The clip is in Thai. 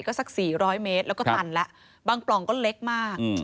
ก็สัก๔๐๐เมตรแล้วก็ตันแล้วบางปล่องก็เล็กมาก